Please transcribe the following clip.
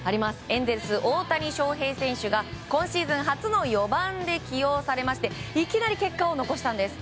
エンゼルス、大谷翔平選手が今シーズン初の４番で起用されましていきなり結果を残したんです。